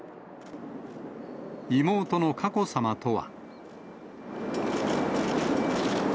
妹の佳子さまとは。